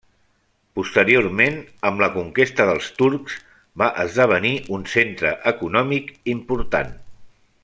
Posteriorment, amb la conquesta dels turcs, va esdevenir un centre econòmic important.